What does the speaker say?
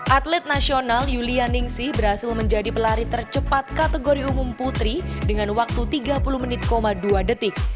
atlet nasional yulia ningsi berhasil menjadi pelari tercepat kategori umum putri dengan waktu tiga puluh menit dua detik